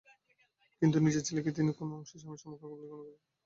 কিন্তু নিজের ছেলেকে তিনি কোনো অংশেই স্বামীর সমকক্ষ বলিয়া গণ্য করিতেন না।